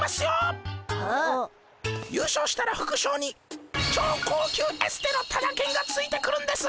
優勝したらふくしょうに超高級エステのタダけんがついてくるんです。